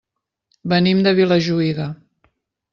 Venim de Vilajuïga.